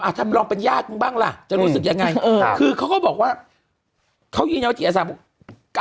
ท่านลองเป็นญาติมึงบ้างล่ะจะรู้สึกยังไงคือเขาก็บอกว่าเขายืนยันว่าจิตอาสาบอก